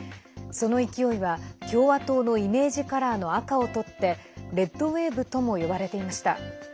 その勢いは共和党のイメージカラーの赤を取ってレッドウェーブとも呼ばれていました。